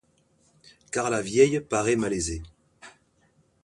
Car la vieille paraît malaisée.